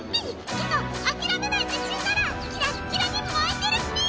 けどあきらめない自信ならキラッキラに燃えてるっぴぃ！